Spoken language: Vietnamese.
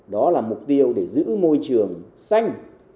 đó là mục tiêu để giữ môi trường xanh